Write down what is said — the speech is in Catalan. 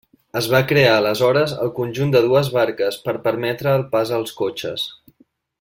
Es va crear aleshores el conjunt de dues barques per permetre el pas als cotxes.